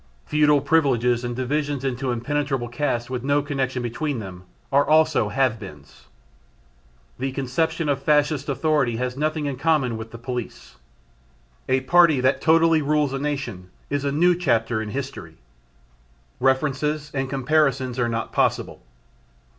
Feudal privileges and divisions into impenetrable castes with no connection between them, are also "have beens." The conception of Fascist authority has nothing in common with the Police. A party that totally rules a nation is a new chapter in history. References and comparisons are not possible.